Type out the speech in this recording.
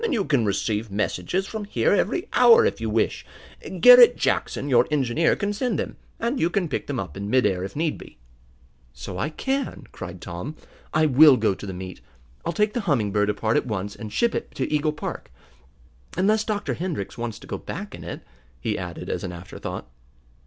"Then you can receive messages from here every hour if you wish. Garret Jackson, your engineer, can send them, and you can pick them up in mid air if need be." "So I can!" cried Tom. "I will go to the meet. I'll take the Humming Bird apart at once, and ship it to Eagle Park. Unless Dr. Hendrix wants to go back in it," he added as an after thought.